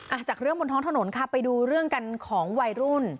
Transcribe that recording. จากเรื่องบนท้องถนนค่ะไปดูเรื่องกันของวัยรุ่น